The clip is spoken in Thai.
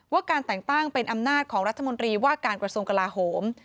การแต่งตั้งเป็นอำนาจของรัฐมนตรีว่าการกระทรวงกลาโหม